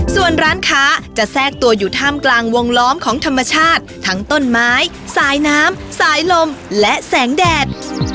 ส่วนร้านค้าจะแทรกตัวอยู่ท่ามกลางวงล้อมของธรรมชาติทั้งต้นไม้สายน้ำสายลมและแสงแดด